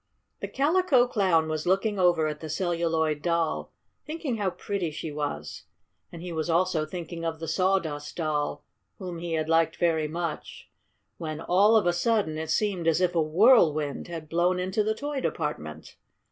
The Calico Clown was looking over at the Celluloid Doll, thinking how pretty she was, and he was also thinking of the Sawdust Doll, whom he had liked very much, when, all of a sudden, it seemed as if a whirlwind had blown into the toy department.